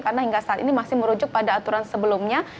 karena hingga saat ini masih merujuk pada aturan sebelumnya